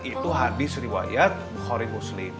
itu hadis riwayat khori muslim